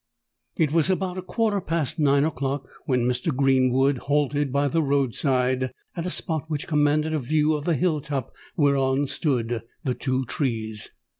It was about a quarter past nine o'clock, when Mr. Greenwood halted by the road side, at a spot which commanded a view of the hill top whereon stood the two trees.